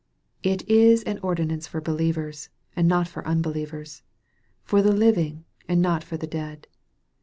It is an ordinance for believers, and not for unbelievers, for the living and not for the dead.